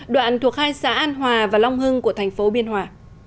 đoạn thuộc hai xã an hòa và long hưng của thành phố biên hòa